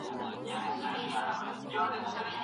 ماشوم ته پستې جامې ورواغوندئ.